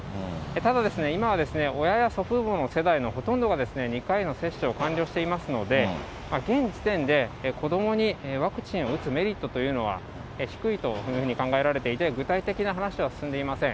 ただ、今は、親や祖父母の世代のほとんどで２回の接種を完了していますので、現時点で、子どもにワクチンを打つメリットというのは低いというふうに考えられていて、具体的な話は進んでいません。